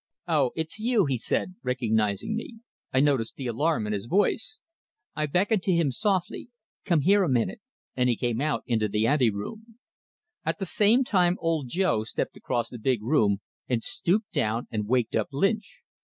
"Oh, it's you!" he said, recognizing me; I noted the alarm in his voice. I beckoned to him, softly. "Come here a moment;" and he came out into the ante room. At the same time Old Joe stepped across the big room, and stooped down and waked up Lynch.